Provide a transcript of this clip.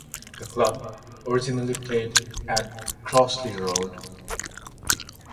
The club originally played at Crossley Road.